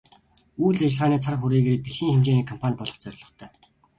Үйл ажиллагааны цар хүрээгээрээ дэлхийн хэмжээний компани болох зорилготой.